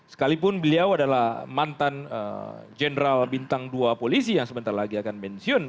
sekalipun beliau adalah mantan jenderal bintang dua polisi yang sebentar lagi akan pensiun